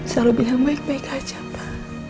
selalu bilang baik baik aja pa